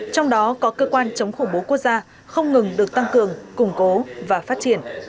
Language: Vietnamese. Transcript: trong đó có cơ quan chống khủng bố quốc gia không ngừng được tăng cường củng cố và phát triển